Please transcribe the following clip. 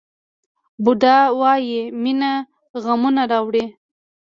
بودا وایي مینه غمونه راوړي.